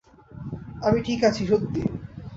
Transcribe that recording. আমি ঠিক আছি, সত্যিই।